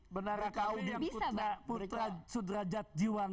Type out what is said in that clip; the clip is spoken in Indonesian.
mereka audieng putra sudrajat jiwan